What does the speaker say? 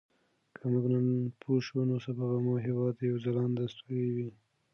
که موږ نن پوه شو نو سبا به مو هېواد یو ځلانده ستوری وي.